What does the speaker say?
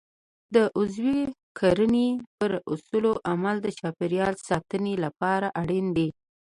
د عضوي کرنې پر اصولو عمل د چاپیریال ساتنې لپاره اړین دی.